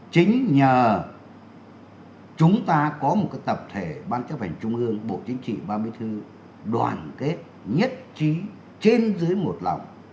chính nhờ chúng ta có một tập thể ban chấp hành trung ương bộ chính trị ban bí thư đoàn kết nhất trí trên dưới một lòng